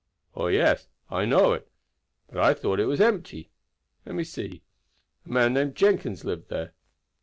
"Oh, yes! I know it. But I thought it was empty. Let me see, a man named Jenkins lived there.